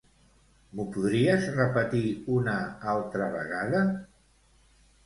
M'ho podries repetir una altra vegada?